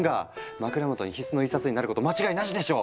枕元に必須の１冊になること間違いなしでしょう！